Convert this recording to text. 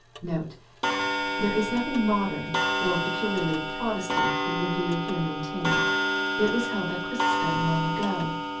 Do the words mean that * There is nothing modern, or peculiarly Protestant in the view here maintained. It was held by Ghry sostom long ago.